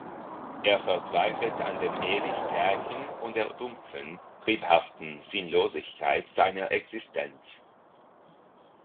Er verzweifelt an dem ewig Gleichen und der dumpfen, triebhaften Sinnlosigkeit seiner Existenz.